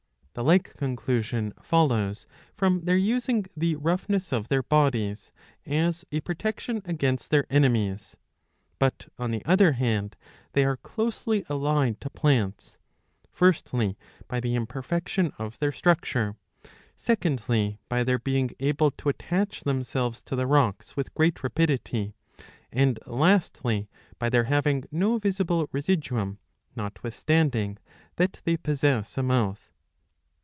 The • like conclusion follows from their using the roughness of their bodies ^^ as a protection against their enemies. But on the other hand they are closely allied to plants, firstly by the imperfection of their structure, secondly by their being able to attach themselves to the rocks with great rapidity, and lastly by their having no visible residuum, notwithstanding that they possess a mouth.